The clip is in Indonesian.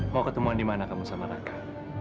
mau ketemuan dimana kamu sama raka